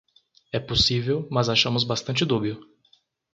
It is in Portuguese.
É possível, mas achamos bastante dúbio.